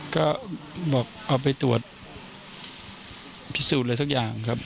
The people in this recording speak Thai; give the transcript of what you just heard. ก็เอาไปตรวจพิสูจน์เลยสักอย่างครับ